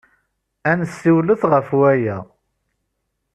Ad nessiwlet ɣef waya.